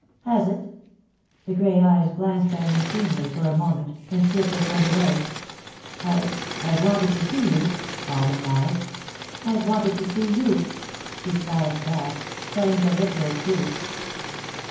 "Has it?" The grey eyes glanced at him keenly for a moment, then swiftly turned away. "I've I've wanted to see you," Alden lied. "I've wanted to see you," she flashed back, telling the literal truth.